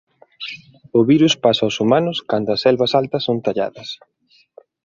O virus pasa ós humanos cando as selvas altas son talladas.